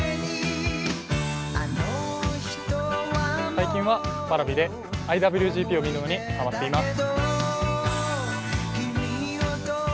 最近はＰａｒａｖｉでＩＷＧＰを見るのにハマっています。